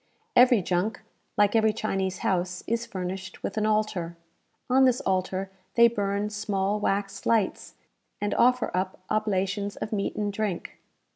Every junk, like every Chinese house, is furnished with an altar. On this altar they burn small wax lights, and offer up oblations of meat and drink.